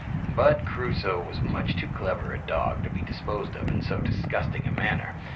But Crusoe was much too clever a dog to be disposed of in so disgusting a manner.